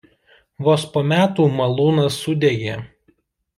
Vos po metų malūnas sudegė.